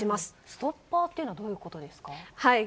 ストッパーというのはどういうことですか？